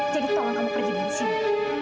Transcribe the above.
jadi tolong kamu pergi dari sini